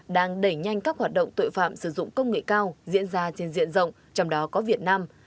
đang đẩy nhanh các hoạt động tội phạm sử dụng công nghệ cao diễn ra trên diện rộng trong đó có việt nam